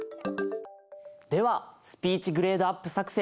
ではスピーチグレードアップ作戦